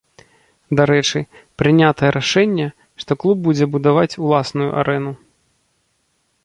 Дарэчы, прынятае рашэнне, што клуб будзе будаваць уласную арэну.